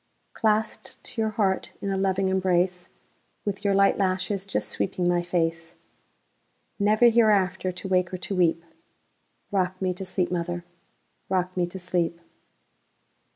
Clasped to your heart in a loving embrace, With your light lashes just sweeping my face, Never hereafter to wake or to weep;—Rock me to sleep, mother,—rock me to sleep!